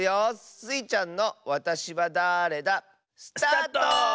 スイちゃんの「わたしはだれだ？」。スタート！